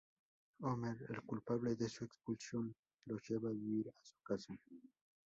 Homer, el culpable de su expulsión, los lleva a vivir a su casa.